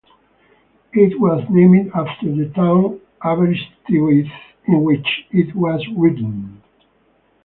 It was named after the town Aberystwyth, in which it was written.